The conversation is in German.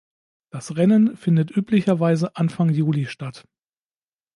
Das Rennen findet üblicherweise Anfang Juli statt.